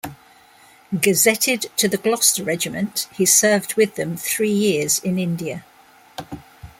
Gazetted to the Gloucester Regiment, he served with them three years in India.